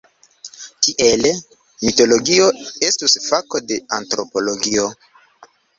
Tiele "mitologio" estus fako de antropologio.